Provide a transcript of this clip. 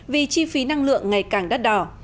vì chi phí năng lượng ngày càng đắt đỏ